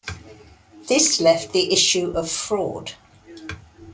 This left the issue of fraud.